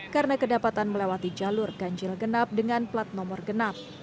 karena kedapatan melewati jalur ganjil genap dengan plat nomor genap